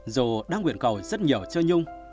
dù đang nguyện cầu rất nhiều cho nhung